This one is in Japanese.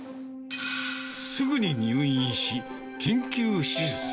すぐに入院し、緊急手術。